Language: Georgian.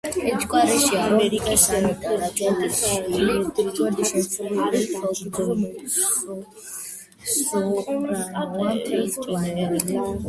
ეჭვგარეშეა, რომ დღეს ანიტა რაჭველიშვილი ვერდის შემსრულებელი საუკეთესო მეცო-სოპრანოა მთელ პლანეტაზე.